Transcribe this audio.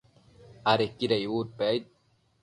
adequida icbudpec aid